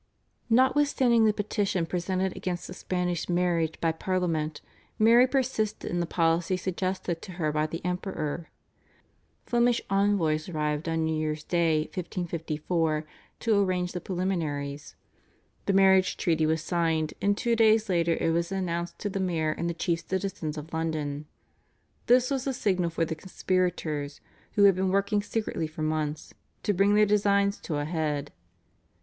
Notwithstanding the petition presented against the Spanish marriage by Parliament, Mary persisted in the policy suggested to her by the Emperor. Flemish envoys arrived on New Year's Day 1554 to arrange the preliminaries. The marriage treaty was signed and two days later it was announced to the mayor and the chief citizens of London. This was the signal for the conspirators, who had been working secretly for months, to bring their designs to a head.